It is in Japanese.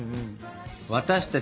私たち